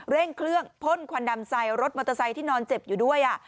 เร่งเครื่องพ่นควันดำใส่รถมอเตอร์ไซค์ที่นอนเจ็บอยู่ด้วย